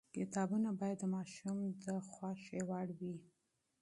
کتابونه باید د ماشوم د ذوق مطابق وي.